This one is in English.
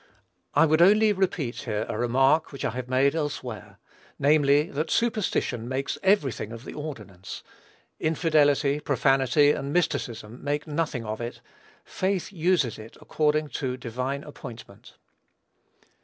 I would only repeat here a remark which I have made elsewhere, namely, that superstition makes every thing of the ordinance; infidelity, profanity, and mysticism, make nothing of it; faith uses it according to divine appointment.